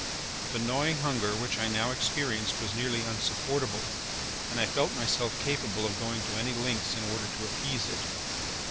The gnawing hunger which I now experienced was nearly insupportable, and I felt myself capable of going to any lengths in order to appease it.